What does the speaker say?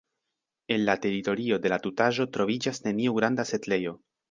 En la teritorio de la tutaĵo troviĝas neniu granda setlejo.